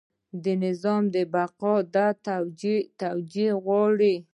د نظام بقا دا توجیه غواړي.